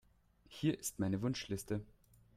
Hier ist meine Wunschliste.